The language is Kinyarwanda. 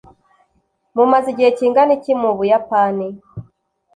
Mumaze igihe kingana iki mu Buyapani?